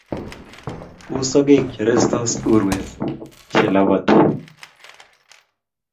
U sogek che restos, urwet che labati